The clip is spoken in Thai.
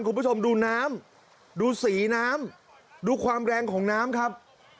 คุณผู้ชมดูน้ำดูสีน้ำดูความแรงของน้ำครับ